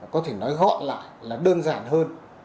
có thể nói gọn lại là đơn giản hơn